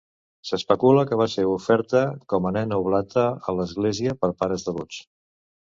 S'especula que va ser oferta com a nena oblata a l'Església per pares devots.